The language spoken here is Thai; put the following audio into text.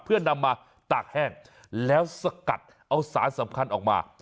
เพื่อนำมาตากแห้งแล้วสกัดเอาสารสำคัญออกมา